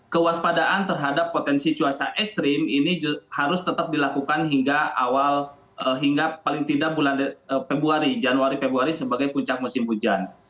kewaspadaan terhadap potensi cuaca ekstrim ini harus tetap dilakukan hingga awal hingga paling tidak bulan februari januari februari sebagai puncak musim hujan